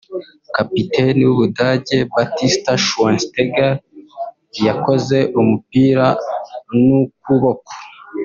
kapiteni w’u Budage Bastian Schweinsteiger yakoze umupira n’ukuboko